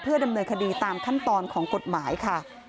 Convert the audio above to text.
ดำเนินคดีตามขั้นตอนของกฎหมายค่ะ